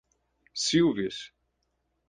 Silves